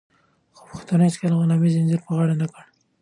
خو پښتنو هيڅکله د غلامۍ زنځير په غاړه نه کړ.